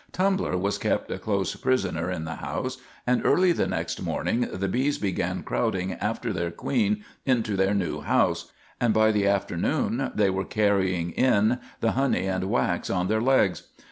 Tumbler was kept a close prisoner in the house, and early the next morning the bees began crowding after their queen into their new house, and by the afternoon they were carrying in the honey and wax on their legs.